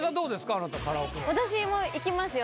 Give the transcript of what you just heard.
あなたカラオケは私も行きますよ